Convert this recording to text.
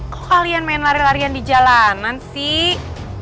kok kalian main lari larian di jalanan sih